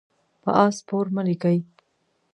په آس سپور مه لیکئ.